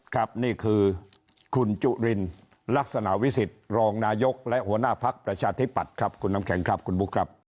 ครับนี่คือคุณจุลินลักษณะวิสิทธิ์รองนายกและหัวหน้าพักประชาธิปัตย์ครับคุณน้ำแข็งครับคุณบุ๊คครับ